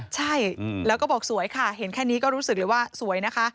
ใช่แล้วก็บอกสวยค่ะเห็นแค่นี้ก็รู้สึกเลยว่าสวยนะคะ